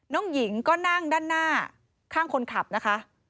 น้องหญิงก็นั่งด้านหน้าข้างคนขับนะคะ